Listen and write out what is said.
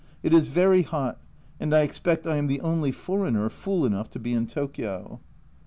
It is very hot, and I expect I am the only foreigner fool enough to be in Tokio.